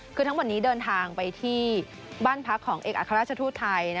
คือทั้งหมดนี้เดินทางไปที่บ้านพักของเอกอัครราชทูตไทย